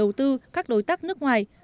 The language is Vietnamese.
và đầu tư các đối tác nước ngoài